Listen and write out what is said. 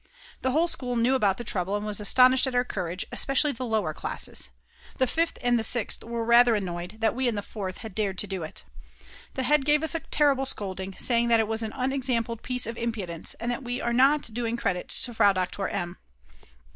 The whole school knew about the trouble and was astonished at our courage, especially the lower classes; the Fifth and the Sixth were rather annoyed that we in the Fourth had dared to do it. The head gave us a terrible scolding, saying that it was an unexampled piece of impudence, and that we were not doing credit to Frau Doktor M.